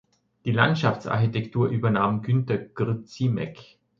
Die Landschaftsarchitektur übernahm Günther Grzimek.